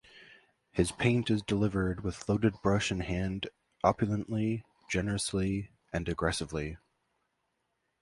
His paint is delivered with loaded brush in hand, opulently, generously and aggressively.